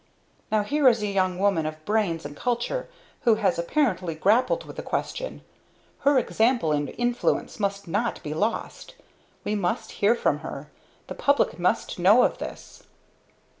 Now here is a young woman of brains and culture who has apparently grappled with the question; her example and influence must not be lost! We must hear from her. The public must know of this."